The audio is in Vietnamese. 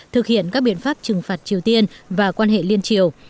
thực hiện các biện pháp trừng phạt triều tiên và quan hệ liên triều